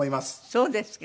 そうですか。